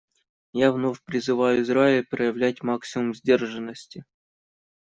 Я вновь призываю Израиль проявлять максимум сдержанности.